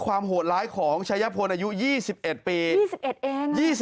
ความโหดร้ายของชายพนธ์อายุ๒๑ปี